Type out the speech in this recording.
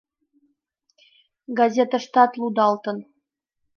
Газетыштат лудалтын.